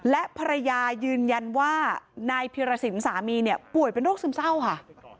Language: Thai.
และภรรยายืนยันว่านายพิรสินสามีเนี่ยป่วยเป็นโรคซึมเศร้าค่ะ